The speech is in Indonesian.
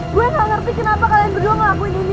gue gak ngerti kenapa kalian berdua ngelakuin ini